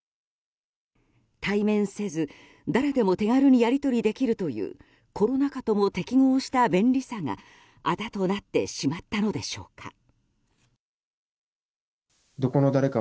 対面せず、誰でも手軽にやり取りできるというコロナ禍とも適合した便利さがあだとなってしまったのでしょうか。